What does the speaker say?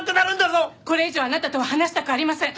これ以上あなたとは話したくありません。